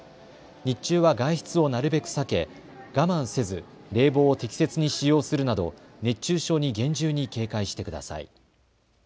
日中は外出をなるべく避け我慢せず冷房を適切に使用するなど熱中症に厳重に警戒してください。